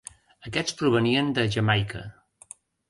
Aquests provenien de Jamaica.